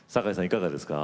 いかがですか？